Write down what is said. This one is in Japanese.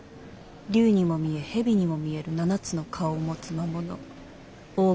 竜にも見え蛇にも見える７つの顔を持つ魔物。